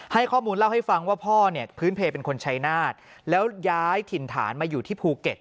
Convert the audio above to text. ให้ข้อมูลเล่าให้ฟังว่าพ่อเนี่ยพื้นเพลเป็นคนชัยนาธแล้วย้ายถิ่นฐานมาอยู่ที่ภูเก็ต